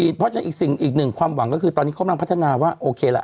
เพราะจะอีกสิ่งอีกหนึ่งความหวังก็คือตอนนี้กำลังพัฒนาว่าโอเคละ